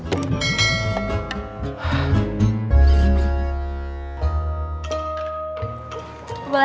tidak saya sudah menutup